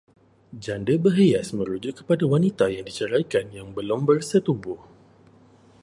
Janda berhias merujuk kepada wanita yang diceraikan yang belum bersetubuh